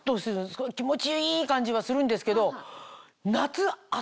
すごい気持ちいい感じはするんですけど。